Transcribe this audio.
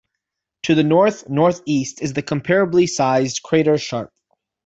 To the north-northeast is the comparably sized crater Sharp.